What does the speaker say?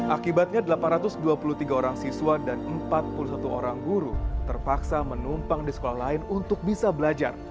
akibatnya delapan ratus dua puluh tiga orang siswa dan empat puluh satu orang guru terpaksa menumpang di sekolah lain untuk bisa belajar